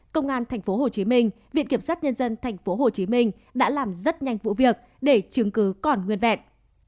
công an tp hcm viện kiểm sát nhân dân tp hcm đã làm rất nhanh vụ việc để chứng cứ còn nguyên vẹn